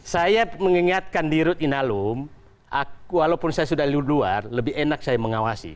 saya mengingatkan di rut inalum walaupun saya sudah luar lebih enak saya mengawasi